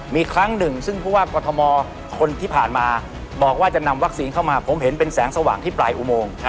มีครั้งหนึ่งซึ่งผู้ว่ากรทมคนที่ผ่านมาบอกว่าจะนำวัคซีนเข้ามาผมเห็นเป็นแสงสว่างที่ปลายอุโมง